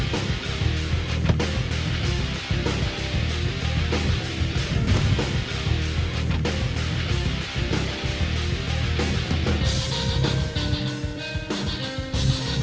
tuh amat tuh